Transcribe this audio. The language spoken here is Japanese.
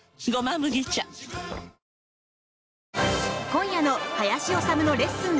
今夜の「林修のレッスン！